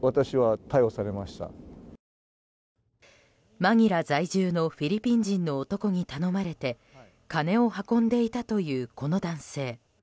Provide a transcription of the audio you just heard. マニラ在住のフィリピン人の男に頼まれて金を運んでいたというこの男性。